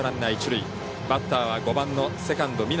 バッターは、５番、セカンドの南。